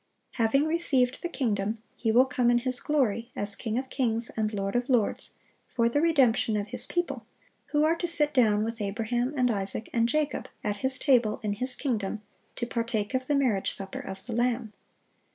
(707) Having received the kingdom, He will come in His glory, as King of kings and Lord of lords, for the redemption of His people, who are to "sit down with Abraham, and Isaac, and Jacob," at His table in His kingdom,(708) to partake of the marriage supper of the Lamb.